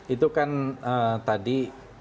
itu kan tadi